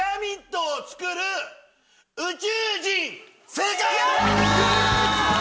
正解！